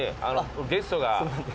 ゲストが。